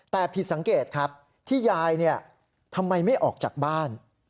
แต่ผิดสังเกตครับที่ยายทำไมไม่ออกจากบ้าน